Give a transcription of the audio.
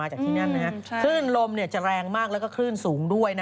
คลื่นลมจะแรงมากแล้วก็คลื่นสูงด้วยนะ